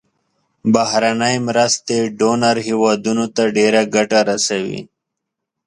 بهرنۍ مرستې ډونر هیوادونو ته ډیره ګټه رسوي.